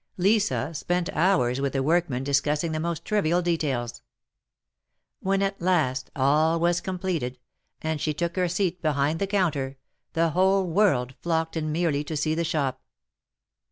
Lisa spent hours with the workmen discussing the most trivial details. When at last all was completed, and she took her seat behind the counter, the whole world flocked in merely to see the shop.